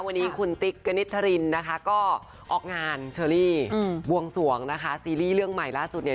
วันนี้คุณติ๊กกณิตธรินนะคะก็ออกงานเชอรี่บวงสวงนะคะซีรีส์เรื่องใหม่ล่าสุดเนี่ย